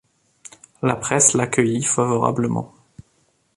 La presse l'accueillit favorablement.